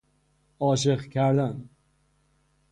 عاشق کردن